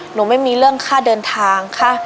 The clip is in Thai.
ไม่มีเรื่องค่าเดินทางค่ะ